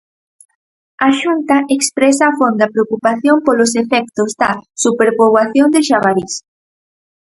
A Xunta expresa a fonda preocupación polos efectos da superpoboación de xabarís.